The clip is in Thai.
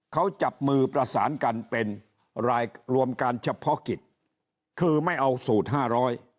เขาจับมือประสานกันเป็นรายรวมการเฉพาะกิจคือไม่เอาสูตรห้าร้อย